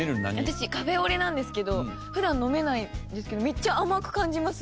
私カフェオレなんですけど普段飲めないんですけどめっちゃ甘く感じます。